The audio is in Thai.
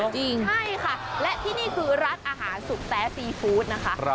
จริงใช่ค่ะและที่นี่คือร้านอาหารสุกแต๊ซีฟู้ดนะคะ